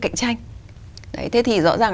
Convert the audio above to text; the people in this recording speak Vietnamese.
cạnh tranh thế thì rõ ràng